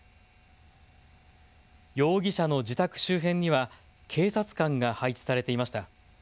容疑者の自宅周辺には警察官が配置されていました。